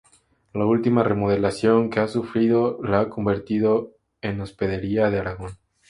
La última remodelación que ha sufrido la ha convertido en Hospedería de Aragón.